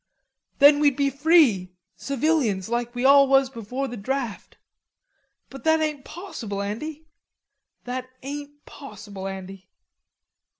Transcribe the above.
"Then we'd be free, civilians, like we all was before the draft. But that ain't possible, Andy; that ain't possible, Andy."